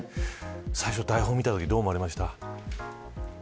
最初、台本を見たときどう思われましたか。